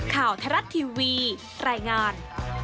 ข่าวไทยรัฐทีวีรายงาน